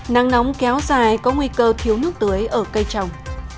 nắng nóng kéo dài có nguy cơ thiếu nước tưới ở cây trồng